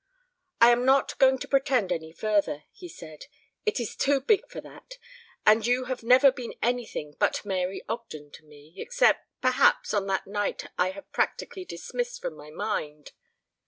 "I am not going to pretend any further," he said. "It is too big for that. And you have never been anything but Mary Ogden to me, except, perhaps, on that night I have practically dismissed from my mind.